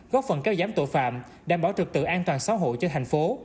góp phần kéo giám tội phạm đảm bảo trực tự an toàn xã hội cho thành phố